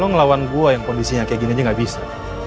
lo ngelawan gua yang kondisinya kayak gini aja nggak bisa